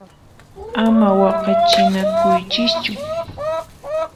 Ama waqachinakuychischu!